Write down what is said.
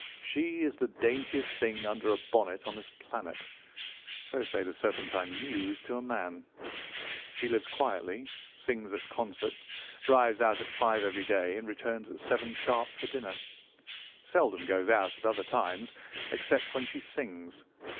She is the daintiest thing under a bonnet on this planet. So say the Serpentine mews, to a man. She lives quietly, sings at concerts, drives out at five every day, and returns at seven sharp for dinner. Seldom goes out at other times, except when she sings.